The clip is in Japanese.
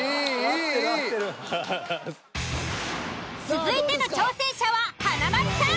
続いての挑戦者は華丸さん。